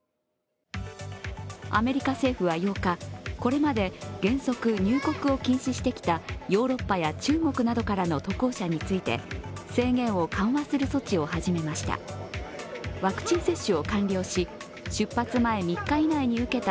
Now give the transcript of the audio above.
アメリカ政府は８日これまで原則入国を禁止してきたヨーロッパや中国などからの渡航者について制限を緩和する措置を始めました。